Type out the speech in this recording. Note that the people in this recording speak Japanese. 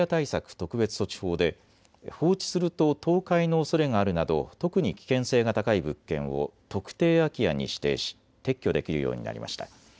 特別措置法で放置すると倒壊のおそれがあるなど特に危険性が高い物件を特定空き家に指定し撤去できるようになりました。